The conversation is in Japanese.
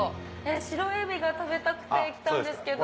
白えびが食べたくて来たんですけど。